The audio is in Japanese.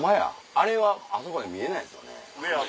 あれはあそこで見えないですよね。